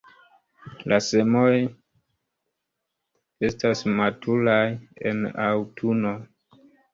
La semoj estas maturaj en aŭtuno.